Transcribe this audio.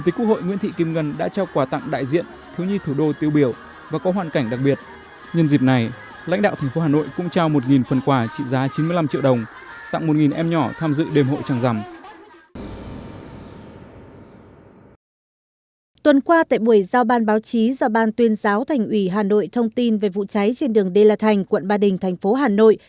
tuần qua tại buổi giao ban báo chí do ban tuyên giáo thành ủy hà nội thông tin về vụ cháy trên đường đê la thành quận ba đình thành phố hà nội